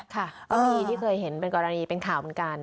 ค่ะก็มีที่เคยเห็นเป็นกรณีเป็นข่าวเหมือนกัน